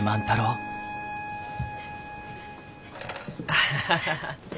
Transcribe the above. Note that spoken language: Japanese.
アハハハ。